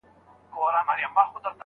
سترګي چي مي پټي سي مالِک د تاج محل یمه